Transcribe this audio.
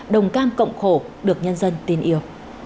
đồng cam cộng khổ được nhân dân tin yêu